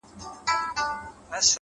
اخلاص د اړیکو بنسټ ټینګوي!.